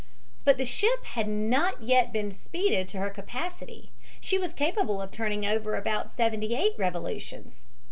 But the ship had not yet been speeded to her capacity she was capable of turning over about seventy eight revolutions.